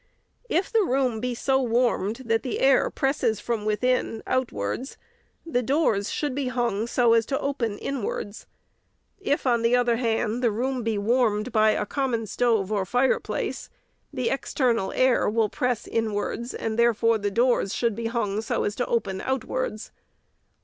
If the room be so warmed that the air presses from within, outwards, the doors should be hung so as to open inwards ; if, on the other hand, the room be warmed by a common stove or fireplace, the external air will press in wards, and therefore the doors should be hung so as to open outwards.